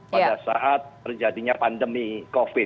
pada saat terjadinya pandemi covid